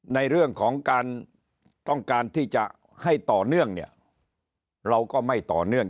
ในเรื่องของการต้องการที่จะให้ต่อเนื่องเนี่ยเราก็ไม่ต่อเนื่อง